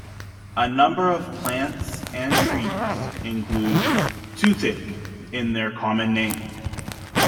A number of plants and trees include "toothache" in their common name.